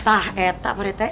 tak eta pak rt